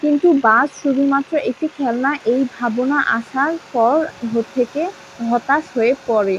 কিন্তু বাজ শুধুমাত্র একটি খেলনা এই ভাবনা আসার পর থেকে হতাশ হয়ে পরে।